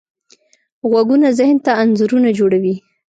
غږونه ذهن ته انځورونه جوړوي.